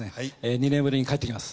２年ぶりに帰ってきます。